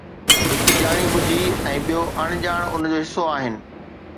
هڪ ڄاڻي ٻجهي ۽ ٻيو اڻڄاڻ ان جو حصو آهن.